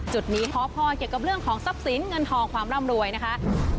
จุดนี้ขอพรเกี่ยวกับเรื่องของทรัพย์สินเงินทองความร่ำรวยนะคะ